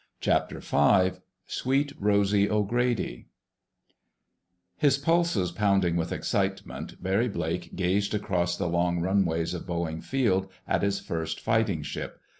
CHAPTER FIVE SWEET ROSY O'GRADY His pulses pounding with excitement, Barry Blake gazed across the long runways of Boeing Field at his first fighting ship.